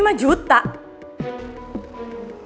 mana cukup coba uang segitu